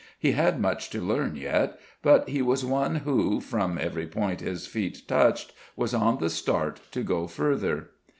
He had much to learn yet, but he was one who, from every point his feet touched, was on the start to go further.